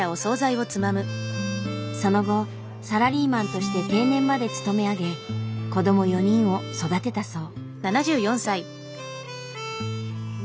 その後サラリーマンとして定年まで勤め上げ子ども４人を育てたそう。